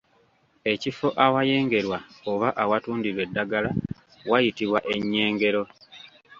Ekifo awayengerwa oba awatundirwa eddagala wayitibwa ennyengero.